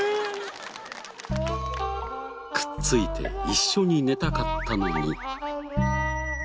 くっついて一緒に寝たかったのに。